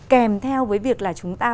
kèm theo với việc là chúng ta